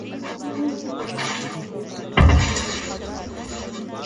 نوې ودانۍ ښکلې ښکاري